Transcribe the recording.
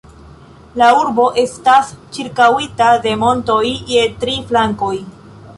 La urbo estas ĉirkaŭita de montoj je tri flankoj.